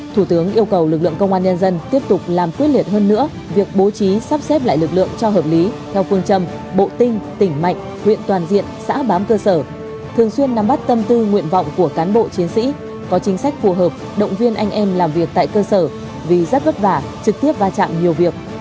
thủ tướng yêu cầu lực lượng công an nhân dân tiếp tục làm quyết liệt hơn nữa việc bố trí sắp xếp lại lực lượng cho hợp lý theo phương châm bộ tinh tỉnh mạnh huyện toàn diện xã bám cơ sở thường xuyên nắm bắt tâm tư nguyện vọng của cán bộ chiến sĩ có chính sách phù hợp động viên anh em làm việc tại cơ sở vì rất vất vả trực tiếp va chạm nhiều việc